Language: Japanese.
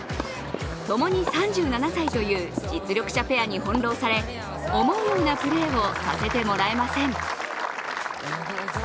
共に３７歳という実力者ペアに翻弄され思うようなプレーをさせてもらえません。